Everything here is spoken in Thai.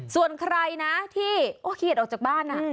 ส่วนใครนะที่โอ๊ยเขียดออกจากบ้านอ่ะ